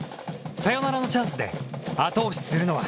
サヨナラのチャンスで後押しするのは。